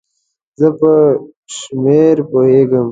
زه په شمېر پوهیږم